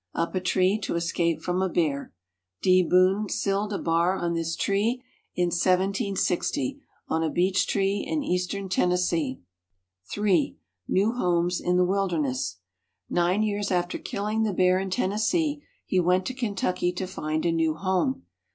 Up a tree to escape from a bear. "D. Boone cilled a bar on this tree in 1760" on a beech tree in Eastern Tennessee. 3. New Homes in the Wilderness Nine years after killing the bear in Tennessee he went to Kentucky to find a new home.